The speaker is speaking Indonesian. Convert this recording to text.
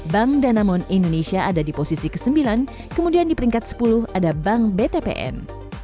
bank danamon indonesia ada di posisi ke sembilan kemudian di peringkat sepuluh ada bank btpn